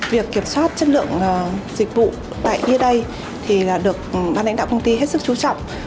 việc kiểm soát chất lượng dịch vụ tại ea đây thì là được ban lãnh đạo công ty hết sức chú trọng